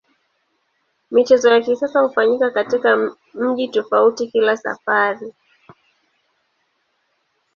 Michezo ya kisasa hufanyika katika mji tofauti kila safari.